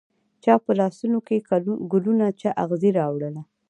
چا په لاسونوکې ګلونه، چااغزي راوړله